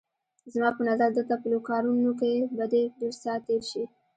زما په نظر دلته په لوکارنو کې به دې ډېر ساعت تېر شي.